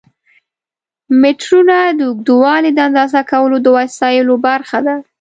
میټرونه د اوږدوالي د اندازه کولو د وسایلو برخه ده.